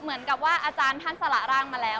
เหมือนกับว่าอาจารย์ท่านสละร่างมาแล้ว